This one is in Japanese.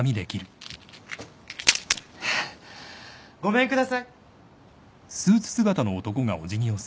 ・ごめんください。